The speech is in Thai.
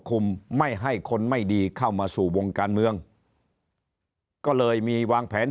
ไม่ให้คนไม่ดีเข้ามาสู่วงการเมืองก็เลยมีวางแผน